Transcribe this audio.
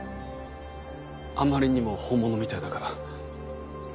あまりにも本物みたいだから。